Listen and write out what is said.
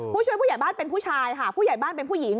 ผู้ช่วยผู้ใหญ่บ้านเป็นผู้ชายค่ะผู้ใหญ่บ้านเป็นผู้หญิง